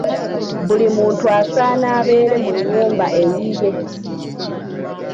Buli muntu asaana abeere mu nnyumba eyiye.